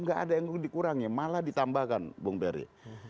nggak ada yang dikurangi malah ditambahkan bung peri